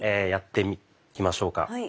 やっていきましょうか。